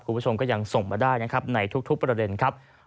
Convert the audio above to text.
คุณผู้ชมก็ยังส่งมาได้นะครับในทุกประเด็นครับ